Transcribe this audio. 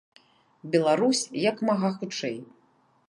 Беларусь як мага хутчэй.